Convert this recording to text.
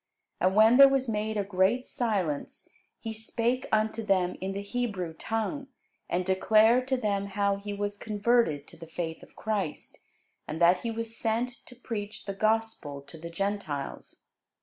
And when there was made a great silence, he spake unto them in the Hebrew tongue, and declared to them how he was converted to the faith of Christ, and that he was sent to preach the gospel to the Gentiles.